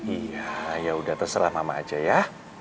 iya yaudah terserah mama aja ya